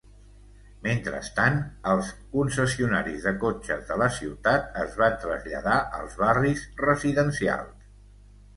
Mentrestant, els concessionaris de cotxes de la ciutat es van traslladar als barris residencials.